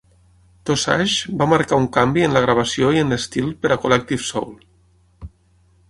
"Dosage" va marcar un canvi en la gravació i en l'estil per a Collective Soul.